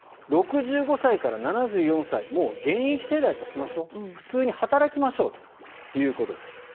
６５歳から７４歳をもう現役世代としましょう普通に働きましょうということです。